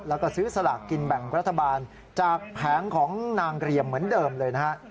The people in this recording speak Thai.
แล้วก็ซื้อสลากกินแบ่งรัฐบาลจากแผงของนางเรียมเหมือนเดิมเลยนะฮะ